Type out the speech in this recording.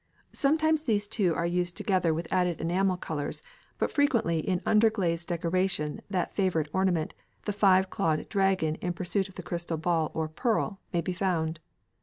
Sometimes these two are used together with added enamel colours, but frequently in under glaze decoration that favourite ornament, the five clawed dragon in pursuit of the crystal ball or pearl, may be found.